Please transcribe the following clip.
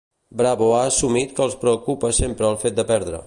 Bravo ha assumit que els preocupa sempre el fet de perdre.